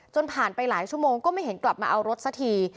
ผ่านไปหลายชั่วโมงก็ไม่เห็นกลับมาเอารถสักที